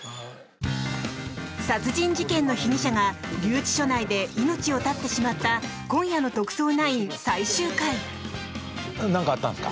殺人事件の被疑者が留置所内で命を絶ってしまった今夜の「特捜９」最終回。